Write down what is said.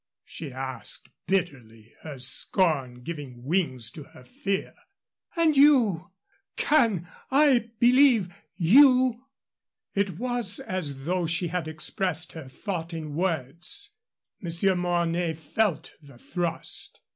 she asked, bitterly, her scorn giving wings to her fear. "And you? Can I believe you?" It was as though she had expressed her thought in words. Monsieur Mornay felt the thrust.